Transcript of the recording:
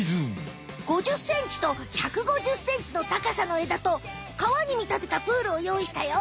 ５０ｃｍと１５０ｃｍの高さの枝と川にみたてたプールをよういしたよ。